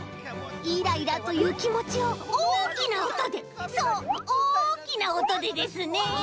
イライラというきもちをおおきなおとでそうおおきなおとでですねえ。